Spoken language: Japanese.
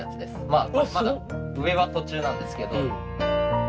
まだ上は途中なんですけど。